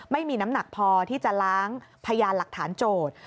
ไม่มีน้ำหนักพอที่จะล้างพยานหลักฐานโจทย์